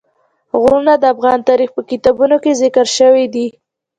غرونه د افغان تاریخ په کتابونو کې ذکر شوی دي.